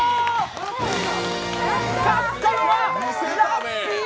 勝ったのはラッピー！